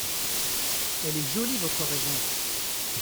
Elle est jolie votre raison !…